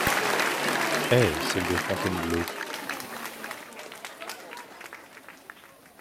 Eh ! celle de Fontainebleau !